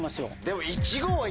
でも。